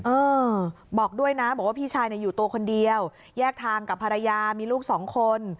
เออบอกด้วยนะบอกว่าพี่ชายเนี่ยอยู่ตัวคนเดียวแยกทางกับภรรยามีลูกสองคน